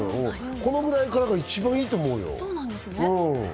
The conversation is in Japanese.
このぐらいからが一番いいと思うよ。